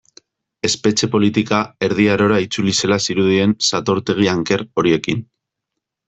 Espetxe politika Erdi Arora itzuli zela zirudien satortegi anker horiekin.